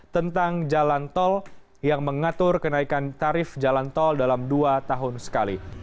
tentang jalan tol yang mengatur kenaikan tarif jalan tol dalam dua tahun sekali